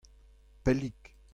Pellik.